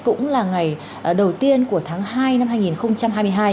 cũng là ngày đầu tiên của tháng hai năm hai nghìn hai mươi hai